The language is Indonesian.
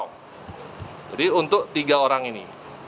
jadi untuk tiga orang ini